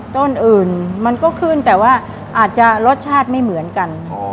ต้นอื่นมันก็ขึ้นแต่ว่าอาจจะรสชาติไม่เหมือนกัน